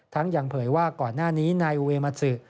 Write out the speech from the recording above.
ยังเผยว่าก่อนหน้านี้นายเวมัสซึ